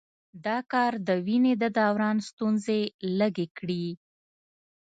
دا کار د وینې د دوران ستونزې لږې کړي.